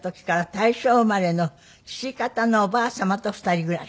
大正生まれの父方のおばあ様と２人暮らし？